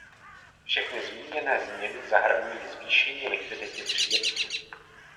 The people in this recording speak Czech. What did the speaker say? Všechny zmíněné změny zahrnují zvýšení likvidity příjemců.